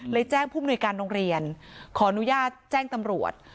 แจ้งผู้มนุยการโรงเรียนขออนุญาตแจ้งตำรวจ